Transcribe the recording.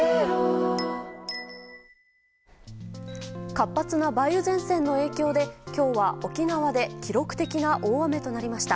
活発な梅雨前線の影響で今日は沖縄で記録的な大雨となりました。